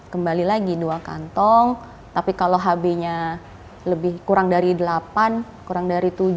kembali lagi dua kantong tapi kalau hb nya lebih kurang dari delapan kurang dari tujuh